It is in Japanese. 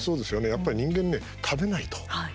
やっぱり人間ね、食べないと。